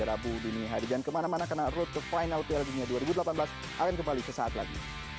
rabu dini hari dan kemana mana kena route ke final tlg dua ribu delapan belas akan kembali ke saat lagi